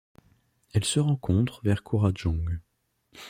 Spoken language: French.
Elle se rencontre vers Kurrajong.